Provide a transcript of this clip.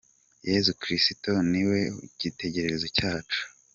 Yesu Kristo ni we cyitegererezo cyacu.